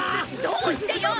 どうしてよ！？